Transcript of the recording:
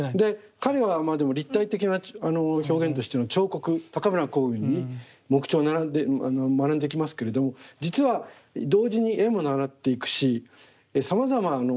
彼はまあでも立体的な表現としての彫刻高村光雲に木彫を学んできますけれども実は同時に絵も習っていくしさまざま